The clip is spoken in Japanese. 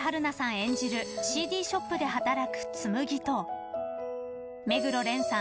演じるＣＤショップで働く紬と目黒蓮さん